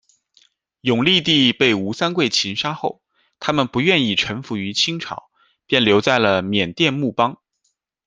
永历帝被吴三桂擒杀后，他们不愿意臣服于清朝，便留在了缅甸木邦。